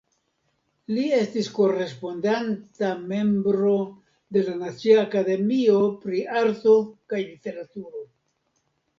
Li estis korespondanta membro de la Nacia Akademio pri Arto kaj Literaturo.